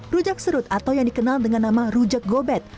rujak serut atau yang dikenal dengan nama rujak gobet